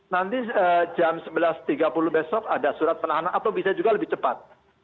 nanti jam sebelas tiga puluh besok ada surat penahanan atau bisa juga lebih cepat